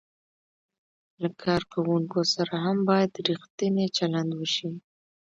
له کارکوونکو سره هم باید ریښتینی چلند وشي.